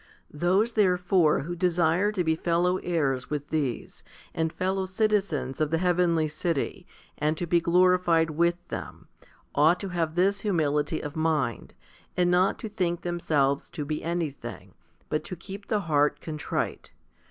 4. Those therefore who desire to be fellow heirs with these, and fellow citizens of the heavenly city, and to be glorified with them, ought to have this humility of mind, and not to think themselves to be anything, but to keep the heart contrite.